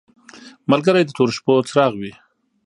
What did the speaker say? ملګری د تورو شپو څراغ وي.